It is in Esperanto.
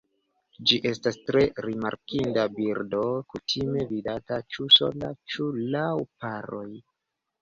Ĝi estas tre rimarkinda birdo kutime vidata ĉu sola ĉu laŭ paroj.